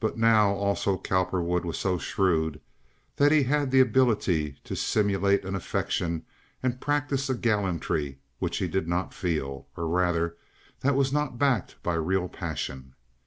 By now also Cowperwood was so shrewd that he had the ability to simulate an affection and practise a gallantry which he did not feel, or, rather, that was not backed by real passion.